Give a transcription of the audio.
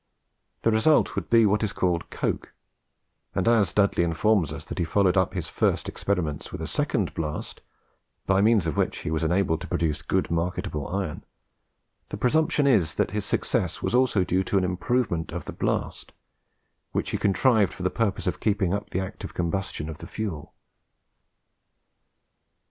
The result would be what is called Coke; and as Dudley informs us that he followed up his first experiment with a second blast, by means of which he was enabled to produce good marketable iron, the presumption is that his success was also due to an improvement of the blast which he contrived for the purpose of keeping up the active combustion of the fuel.